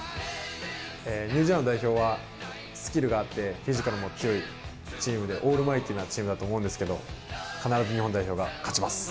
ニュージーランド代表はスキルがあって、フィジカルも強いチームで、オールマイティーなチームだと思うんですけど、必ず日本代表が勝ちます。